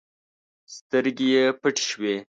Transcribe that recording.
سترګې يې پټې شوې.